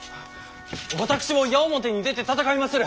私も矢面に出て戦いまする。